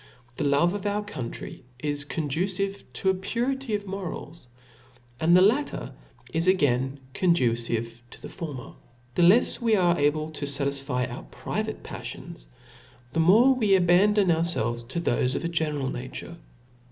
The love of our country is conducive to a purity of morals, and the latter is again condu cive to the former. The lefs we are able to fatisfy our private paflions, the Imore we abandon ourfelves to thofe of a general nature.